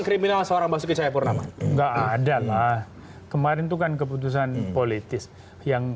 kriminal seorang masuk ke cahayapurnama enggak ada lah kemarin tuh kan keputusan politis yang